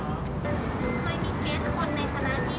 มีเคสคนในสถานที่แบบมีปัญหากับพวกเขา